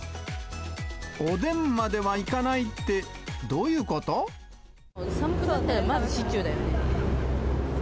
おでんまではいかないって、寒くなったらまずシチューだよね。